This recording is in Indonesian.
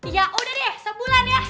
ya udah deh sebulan ya